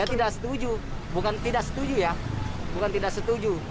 ya tidak setuju bukan tidak setuju ya bukan tidak setuju